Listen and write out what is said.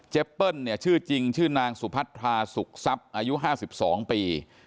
เปิ้ลเนี่ยชื่อจริงชื่อนางสุพัทราสุขทรัพย์อายุ๕๒ปี